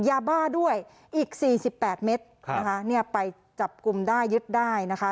ยาบ้าด้วยอีกสี่สิบแปดเมตรค่ะนะคะเนี้ยไปจับกลุ่มได้ยึดได้นะคะ